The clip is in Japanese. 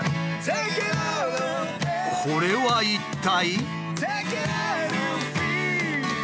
これは一体？